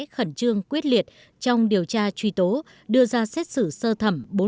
khẩn trương quyết liệt trong điều tra truy tố đưa ra xét xử sơ thẩm